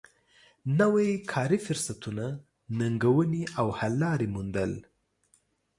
نوی کاري فرصتونه ننګونې او حل لارې موندل